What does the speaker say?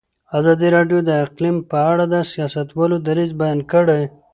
ازادي راډیو د اقلیم په اړه د سیاستوالو دریځ بیان کړی.